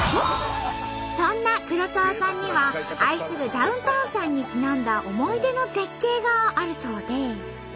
そんな黒沢さんには愛するダウンタウンさんにちなんだ思い出の絶景があるそうで。